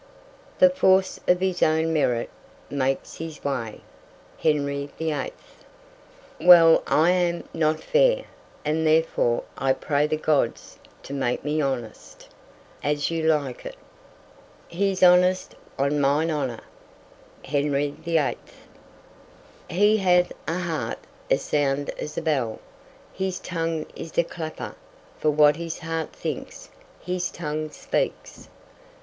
"The force of his own merit makes his way." Henry VIII. "Well, I am, not fair; and therefore I pray the gods to make me honest." As You Like It. "He's honest, on mine honour." Henry VIII. "He hath a heart as sound as a bell, and his tongue is the clapper; for what his heart thinks, his tongue speaks."